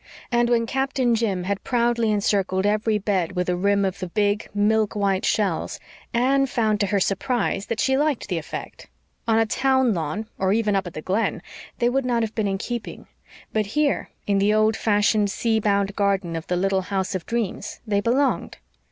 And when Captain Jim had proudly encircled every bed with a rim of the big, milk white shells, Anne found to her surprise that she liked the effect. On a town lawn, or even up at the Glen, they would not have been in keeping, but here, in the old fashioned, sea bound garden of the little house of dreams, they BELONGED.